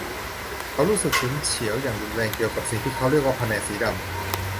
เขารู้สึกฉุนเฉียวอย่างรุนแรงเกี่ยวกับสิ่งที่เขาเรียกว่าแผนกสีดำ